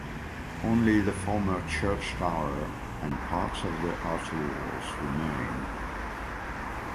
Only the former church tower and parts of the outer walls remain.